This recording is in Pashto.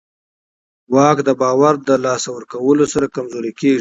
واک د باور له لاسه ورکولو سره کمزوری کېږي.